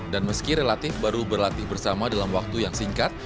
dan meski relatif baru berlatih bersama dalam waktu yang singkat